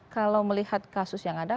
kalau melihat kasus yang ada